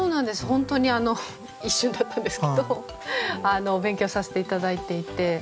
本当に一瞬だったんですけどお勉強させて頂いていて。